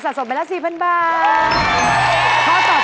สมไปละ๔๐๐๐บาท